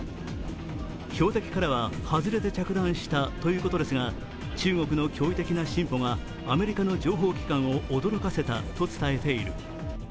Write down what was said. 標的からは外れて着弾したということですが中国の驚異的な進歩がアメリカの情報機関を驚かせたと伝えている。